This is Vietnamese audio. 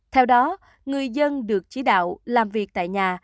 theo đó người dân được chỉ đạo làm việc tại nhà